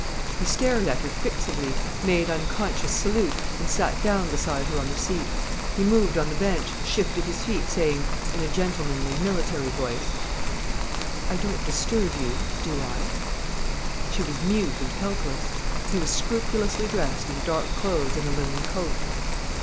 He stared at her fixedly, made unconscious salute, and sat down beside her on the seat. He moved on the bench, shifted his feet, saying, in a gentlemanly, military voice: "I don't disturb you—do I?" She was mute and helpless. He was scrupulously dressed in dark clothes and a linen coat.